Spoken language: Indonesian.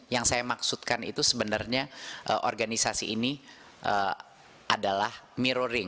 yang saya maksudkan itu sebenarnya organisasi ini adalah mirroring